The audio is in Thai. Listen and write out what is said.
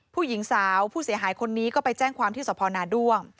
ผู้หญิงสาวผู้เสียหายคนนี้ก็ไปแจ้งความที่สพนาด้วง